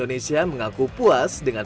di madras souit haliland